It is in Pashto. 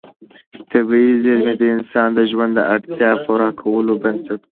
طبیعي زېرمې د انساني ژوند د اړتیاوو پوره کولو بنسټ دي.